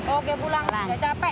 oke pulang udah capek